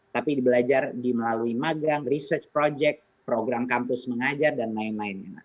tapi belajar di melalui magang research project program kampus mengajar dan lain lainnya